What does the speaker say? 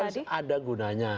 konferensi pers ada gunanya